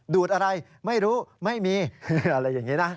ดูดอะไรไม่รู้ไม่มีอะไรอย่างนี้นะ